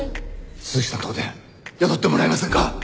鈴木さんのとこで雇ってもらえませんか？